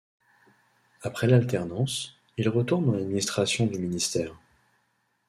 Après l'alternance, il retourne dans l'administration du ministère.